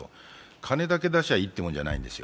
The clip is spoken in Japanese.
金だけ出しゃいいってもんじゃないんですよ。